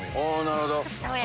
なるほど。